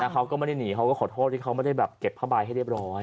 เขาก็ไม่ได้หนีเขาก็ขอโทษที่เขาไม่ได้แบบเก็บผ้าใบให้เรียบร้อย